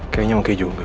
kayaknya oke juga